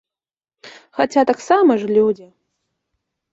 Хаця таксама ж людзі.